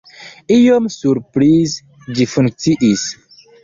Iom surprize, ĝi funkciis.